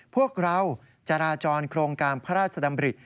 พวกเราจราจรโครงการพระราชดำริ